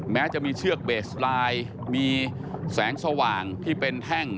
แม้จะมีเชือกเบสไลน์มีแสงสว่างที่เป็นแท่ง